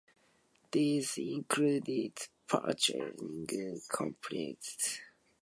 These included purchasing computers, equipment, and of course, inventory.